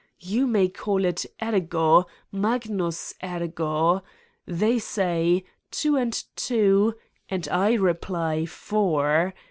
You may call it Ergo, Mag nus, Ergo ! They say :' two and two ' and I reply : 'four.'